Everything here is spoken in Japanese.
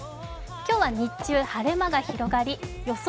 今日は日中、晴れ間が広がり予想